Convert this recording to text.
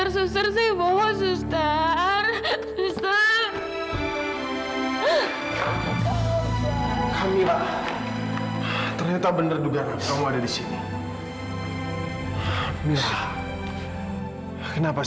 sampai jumpa di video selanjutnya